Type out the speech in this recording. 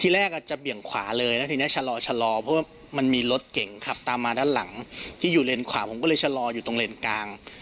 แรกอาจจะเบี่ยงขวาเลยแล้วทีนี้ชะลอชะลอเพราะว่ามันมีรถเก่งขับตามมาด้านหลังที่อยู่เลนขวาผมก็เลยชะลออยู่ตรงเลนกลาง